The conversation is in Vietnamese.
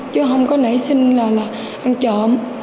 chứ không có nảy sinh là ăn trộm